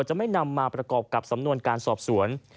จะไม่นำมาประกอบกับสำนวนการสอบสวน